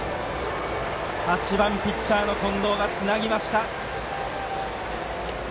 ８番、ピッチャーの近藤がつなぎました。